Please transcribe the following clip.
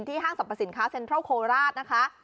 ห้างสรรพสินค้าเซ็นทรัลโคราชนะคะ